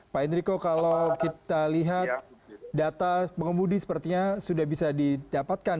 pak enrico kalau kita lihat data pengemudi sepertinya sudah bisa didapatkan